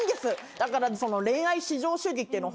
だから。